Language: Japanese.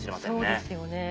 そうですよね。